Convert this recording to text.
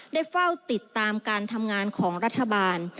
ได้เฝ้าติดตามการทำงานของรัฐบาล